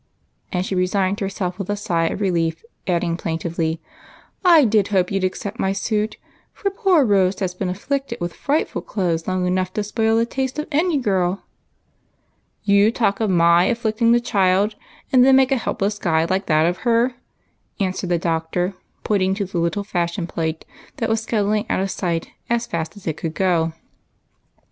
" and she resigned herself with a sigh of relief, adding plaintively, " I did hope you 'd accept my suit, for poor Rose has been afflicted with frightful clothes long enough to spoil the taste of any girl." " You talk of my afflicting the child, and then make a helpless guy like that of her !" answered the Doctor, pointing to the little fashion plate that was scuttling out of sight as fast as it could go.